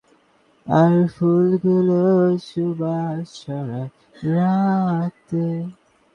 তিনি আনুষ্ঠানিকভাবে অবসরের কথা ঘোষণা করেন।